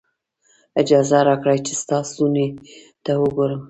اجازه راکړئ چې ستا ستوني ته وګورم.